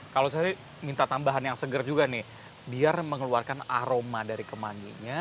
kalau saya minta tambahan yang seger juga nih biar mengeluarkan aroma dari kemanginya